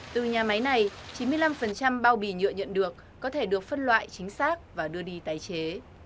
từ nhà máy này chín mươi năm bao bì nhựa nhận được có thể được phân loại chính xác và đưa đi tái chế